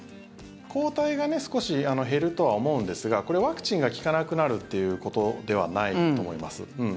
抗体が少し減るとは思うんですがこれ、ワクチンが効かなくなるということではないと思います。